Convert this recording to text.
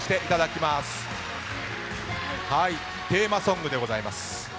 テーマソングでございます。